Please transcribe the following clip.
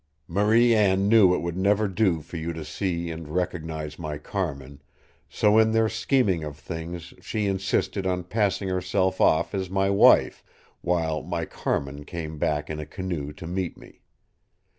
Marie Anne knew it would never do for you to see and recognize my Carmin, so in their scheming of things she insisted on passing herself off as my wife, while my Carmin came back in a canoe to meet me.